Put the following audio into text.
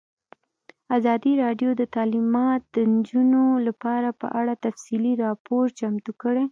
ازادي راډیو د تعلیمات د نجونو لپاره په اړه تفصیلي راپور چمتو کړی.